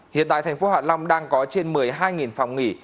hiện tại thành phố hạ long đang có trên một mươi hai phòng nghỉ